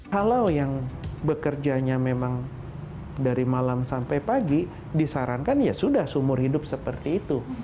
kalau yang bekerjanya memang dari malam sampai pagi disarankan ya sudah seumur hidup seperti itu